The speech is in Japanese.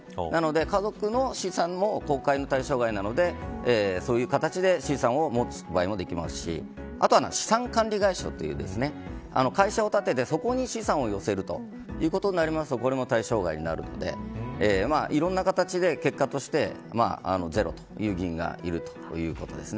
家族の資産も公開の対象外なのでそういう形で資産を持つ場合もできますしあとは、資産管理会社という会社を立てて、そこに資産を寄せるということになるとこれも対象外になるのでいろんな形で結果としてゼロという議員がいるということですね。